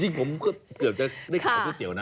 จริงผมก็เกือบจะได้ขายก๋วยเตี๋ยนะ